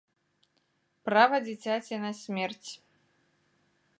Права дзіцяці на смерць.